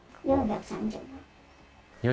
４３０万。